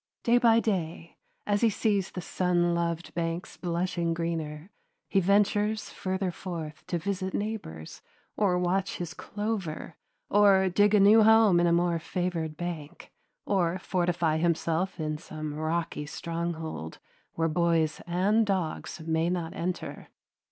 Day by day as he sees the sun loved banks blushing greener, he ventures further forth to visit neighbors or watch his clover, or dig a new home in a more favored bank, or fortify himself in some rocky stronghold where boys and dogs may not enter.